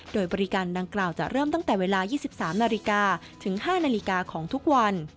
โดยบริการดังกล่าวจะเริ่มตั้งแต่เวลา๒๓นาฬิกาถึง๕นาฬิกาของทุกวัน